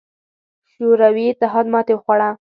شوروي اتحاد ماتې وخوړه.